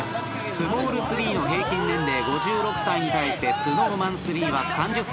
スモール３の平均年齢５６歳に対してＳｎｏｗＭａｎ３は３０歳。